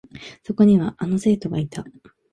そこには、あの生徒がいた。